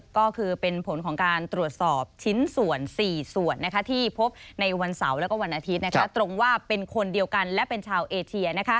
ก็คือเป็นผลของการตรวจสอบชิ้นส่วน๔ส่วนที่พบในวันเสาร์และวันอาทิตย์ตรงว่าเป็นคนเดียวกันและเป็นชาวเอเชีย